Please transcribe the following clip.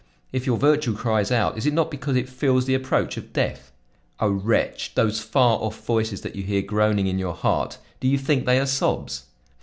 If your virtue cries out, is it not because it feels the approach of death? O wretch! those far off voices that you hear groaning in your heart, do you think they are sobs?